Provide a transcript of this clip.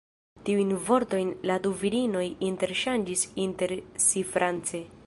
Tiujn vortojn la du virinoj interŝanĝis inter si france.